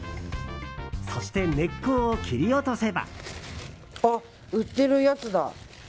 そして根っこを切り落とせば。